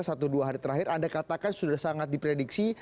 satu dua hari terakhir anda katakan sudah sangat diprediksi